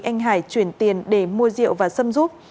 anh hải chuyển tiền để mua rượu và xâm giúp